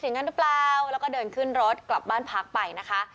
อย่างนั้นหรือเปล่าแล้วก็เดินขึ้นรถกลับบ้านพักไปนะคะ